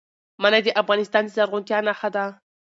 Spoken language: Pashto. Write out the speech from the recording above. منی د افغانستان د زرغونتیا نښه ده.